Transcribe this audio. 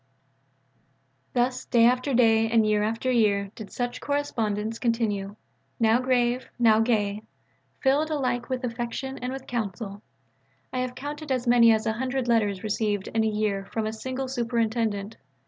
Thus day after day and year after year did such correspondence continue now grave, now gay; filled alike with affection and with counsel. I have counted as many as a hundred letters received in a year from a single Superintendent.